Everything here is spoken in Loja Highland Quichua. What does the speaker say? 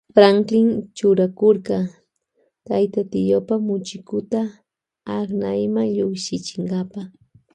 Franklin churakurka tayta tiopa muchikuta aknayma llukshinkapa.